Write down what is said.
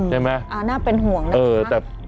อืมน่าเป็นห่วงนะคะ